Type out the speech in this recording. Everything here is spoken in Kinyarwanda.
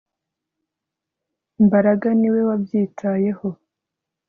Mbaraga niwe wabyitayeho